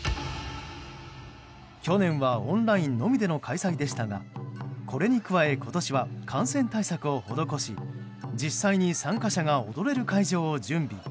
去年はオンラインのみでの開催でしたがこれに加え今年は感染対策を施し実際に参加者が踊れる会場を準備。